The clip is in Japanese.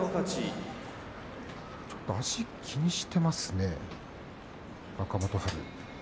ちょっと足、気にしていますね若元春。